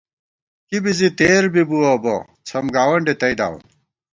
کی بی زی تېر بِبُوَہ بہ څھم گاونڈے تئ داوون